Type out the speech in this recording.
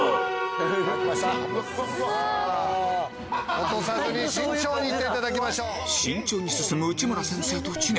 落とさずに慎重に行っていただきましょう。